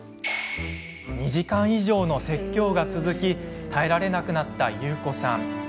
２時間以上の説教が続き耐えられなくなった、ゆうこさん。